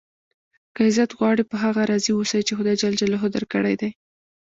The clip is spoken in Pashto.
که عزت غواړئ؟ په هغه راضي اوسئ، چي خدای جل جلاله درکړي دي.